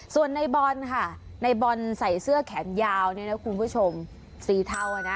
ส่วนในบอลค่ะในบอลใส่เสื้อแขนยาวเนี่ยนะคุณผู้ชมสีเทาอ่ะนะ